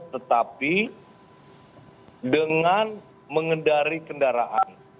tetapi dengan mengendari kendaraan